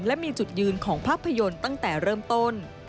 และมีจุดยืนของภาพยนตร์ตั้งแต่เริ่มต้น